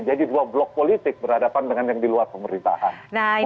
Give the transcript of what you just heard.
jadi dua blok politik berhadapan dengan yang di luar pemerintahan